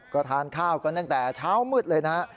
ก็ทานข้าวกันตั้งแต่เช้ามืดเลยนะฮะ